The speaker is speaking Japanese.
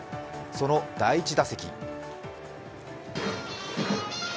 その第１打席。